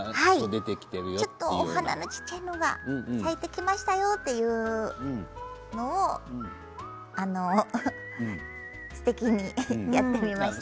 お花の小さいのが咲いてきましたよというのをすてきにやってみました。